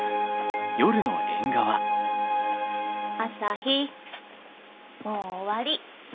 朝陽もう終わり。